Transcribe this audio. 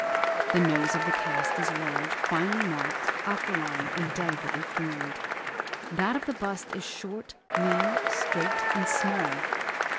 The nose of the cast is large, finely marked, aquiline, and delicately formed. That of the bust is short, mean, straight, and small.